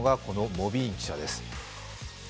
モビーン記者です。